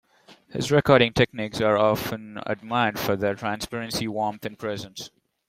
His recording techniques are often admired for their transparency, warmth and presence.